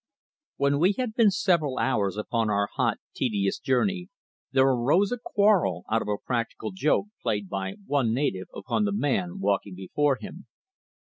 WHEN we had been several hours upon our hot, tedious journey there arose a quarrel out of a practical joke played by one native upon the man walking before him.